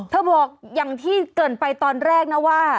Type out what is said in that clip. บอกอย่างที่เกินไปตอนแรกนะว่า